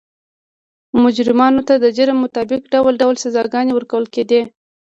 مجرمانو ته د جرم مطابق ډول ډول سزاګانې ورکول کېدې.